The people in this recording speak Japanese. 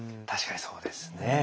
確かにそうですね。